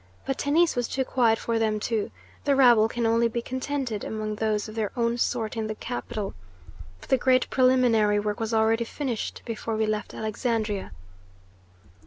But Tennis was too quiet for them too. The rabble can only be contented among those of their own sort in the capital. But the great preliminary work was already finished before we left Alexandria."